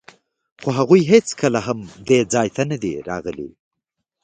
خو هغوی هېڅکله هم دې ځای ته نه دي راغلي.